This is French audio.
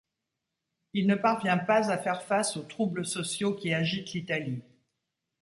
Il ne parvient pas à faire face aux troubles sociaux qui agitent l'Italie.